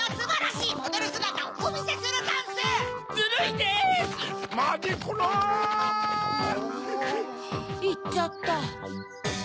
いっちゃった。